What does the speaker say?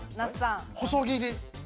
細切り！